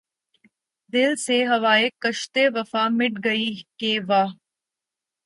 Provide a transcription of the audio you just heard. دل سے ہواے کشتِ وفا مٹ گئی کہ واں